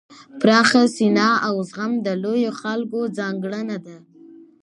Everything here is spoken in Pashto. پراخه سینه او زغم د لویو خلکو ځانګړنه وي.